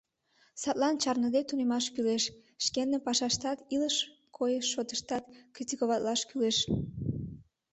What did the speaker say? Садлан чарныде тунемаш кӱлеш, шкендым пашаштат, илыш-койыш шотыштат критиковатлаш кӱлеш.